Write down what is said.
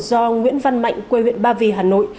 do nguyễn văn mạnh quê huyện ba vì hà nội